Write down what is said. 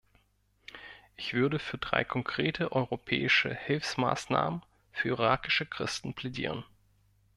Ich würde für drei konkrete europäische Hilfsmaßnahmen für irakische Christen plädieren.